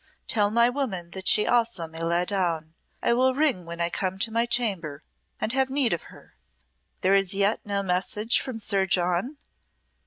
Tell my woman that she also may lie down. I will ring when I come to my chamber and have need of her. There is yet no message from Sir John?"